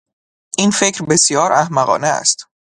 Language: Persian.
این فکر بسیار احمقانه است